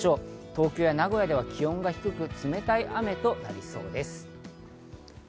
東京や名古屋では気温が低く、冷たい雨となりそうです。